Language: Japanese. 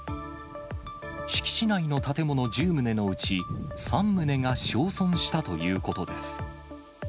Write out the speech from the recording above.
敷地内の建物１０棟のうち、３棟が焼損したということです。